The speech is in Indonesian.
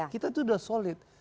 kita itu sudah solid